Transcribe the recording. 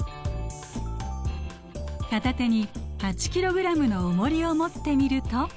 片手に８ｋｇのおもりを持ってみると。